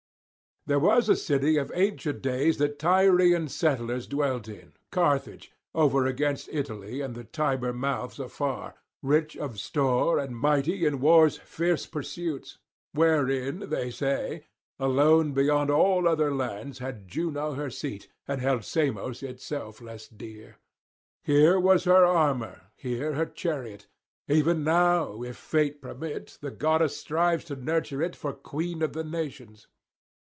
There was a city of ancient days that Tyrian settlers dwelt in, Carthage, over against Italy and the Tiber mouths afar; rich of store, and mighty in war's fierce pursuits; wherein, they say, alone beyond all other lands had Juno her seat, and held Samos itself less dear. Here was her armour, here her chariot; even now, if fate permit, the goddess strives to nurture it for queen of the nations.